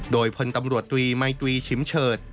โดยพลตำรวจตรีมัยตรีชิมเฉิด